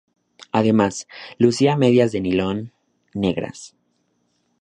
Además, lucía medias de "nylon" negras.